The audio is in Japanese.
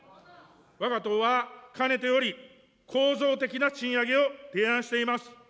わが党は、かねてより構造的な賃上げを提案しています。